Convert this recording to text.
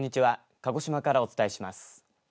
鹿児島からお伝えします。